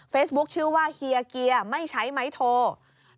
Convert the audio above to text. ชื่อว่าเฮียเกียร์ไม่ใช้ไม้โท